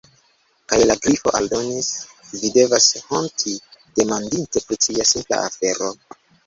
Kaj la Grifo aldonis: "Vi devas honti, demandinte pri tia simpla afero."